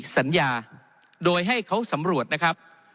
สัญญาโดยให้เขาสำรวจนะครับ